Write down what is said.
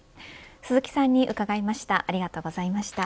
鈴木さんに伺いました。